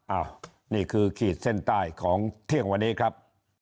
นี่คือขีดเส้นใต้ของเที่ยงวันนี้ครับ